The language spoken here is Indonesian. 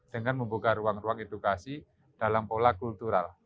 dengan membuka ruang ruang edukasi dalam pola kultural